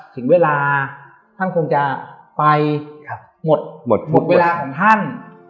ถึงเวลาท่านคงจะไปหมดหมดเวลาของท่าน